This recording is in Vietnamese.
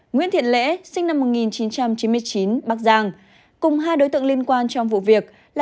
nguyễn thiện lễ sinh năm một nghìn chín trăm chín mươi chín bắc giang cùng hai đối tượng liên quan trong vụ việc là